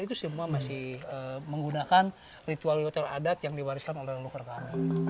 itu semua masih menggunakan ritual ritual adat yang diwariskan oleh leluhur kami